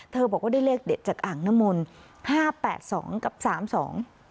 บอกว่าได้เลขเด็ดจากอ่างน้ำมนต์ห้าแปดสองกับสามสอง